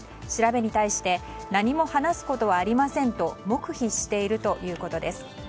調べに対して何も話すことはありませんと黙秘しているということです。